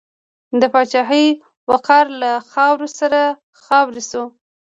د پاچاهۍ وقار له خاورو سره خاورې شو.